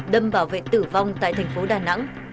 đâm bảo vệ tử vong tại thành phố đà nẵng